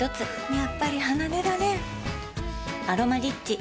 やっぱり離れられん「アロマリッチ」